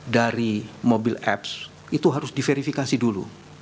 dari mobil apps itu harus diverifikasi dulu